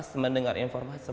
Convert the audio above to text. saya ingin mencari keluarga saya